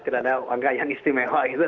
tidak ada warga yang istimewa gitu